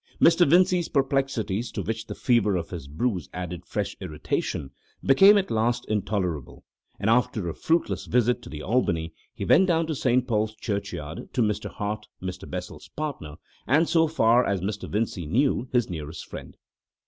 Mr. Vincey's perplexities, to which the fever of his bruise added fresh irritation, became at last intolerable, and, after a fruitless visit to the Albany, he went down to St. Paul's Churchyard to Mr. Hart, Mr. Bessel's partner, and, so far as Mr. Vincey knew, his nearest friend.